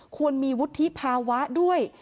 ควรมีวุฒิภาวะด้วย